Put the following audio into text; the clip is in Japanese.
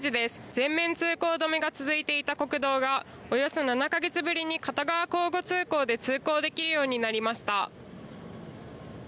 全面通行止めが続いていた国道がおよそ７か月分ぶりに片側交互通行で通行できるようになりました。